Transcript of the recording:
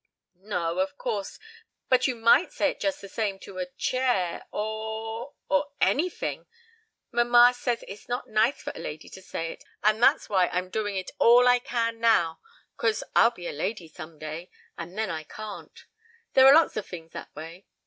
"No, of course, but you might say it just the same to a chair or or anyfing. Mamma says it's not nice for a lady to say it, and that's why I'm doing it all I can now, 'cause I'll be a lady some day, and then I can't. There are lots of fings that way.